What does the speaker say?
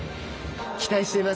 期待しています。